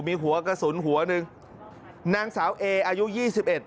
มีหัวกระสุนหัวหนึ่งนางสาวเออายุยี่สิบเอ็ด